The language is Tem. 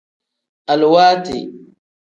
Aluwaatiwa.